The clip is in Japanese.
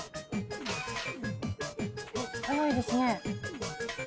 早いですね。